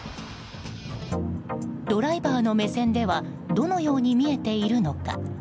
ドライバーの目線ではどのように見えているのか？